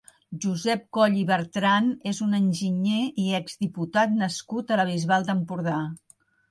Josep Coll i Bertran és un enginyer i exdiputat nascut a la Bisbal d'Empordà.